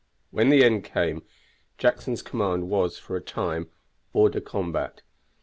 When the end came Jackson's command was for a time hors de combat.